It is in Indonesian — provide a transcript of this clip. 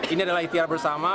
ini adalah itiar bersama